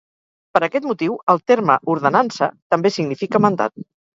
Per aquest motiu, el terme ordenança també significa mandat.